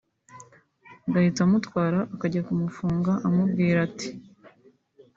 agahita amutwara akajya kumufunga amubwira ati